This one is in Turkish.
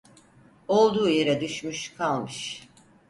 Olduğu yere düşmüş, kalmış.